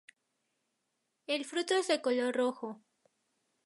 El fruto es de color rojo.